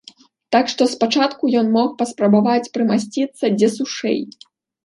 Так што спачатку ён мог паспрабаваць прымасціцца дзе сушэй.